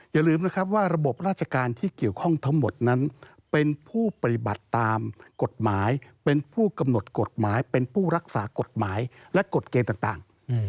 อย่าลืมนะครับว่าระบบราชการที่เกี่ยวข้องทั้งหมดนั้นเป็นผู้ปฏิบัติตามกฎหมายเป็นผู้กำหนดกฎหมายเป็นผู้รักษากฎหมายและกฎเกณฑ์ต่าง